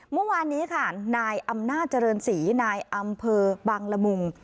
เมื่อวานนี้ค่ะนายอำนาจเจริญศรีนายอำเภอบังละมุง